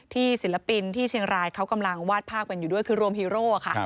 ศิลปินที่เชียงรายเขากำลังวาดภาพกันอยู่ด้วยคือรวมฮีโร่ค่ะ